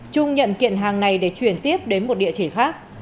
trung nhận kiện hàng này để chuyển tiếp đến một địa chỉ khác